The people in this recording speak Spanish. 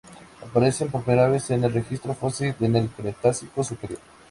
Aparecen por primera vez en el registro fósil en el Cretácico superior.